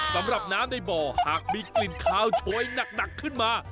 สำหรับน้ำในบ่อหากมีกลิ่นคาวโชยหนักขึ้นมา